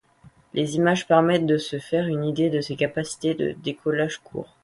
Les images permettent de se faire une idée de ses capacités de décollage court.